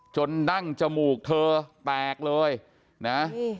ดั้งจมูกเธอแตกเลยนะ